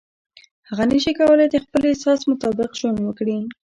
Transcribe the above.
هغه نشي کولای د خپل احساس مطابق ژوند وکړي.